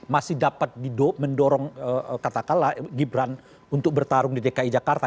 masih dapat mendorong katakanlah gibran untuk bertarung di dki jakarta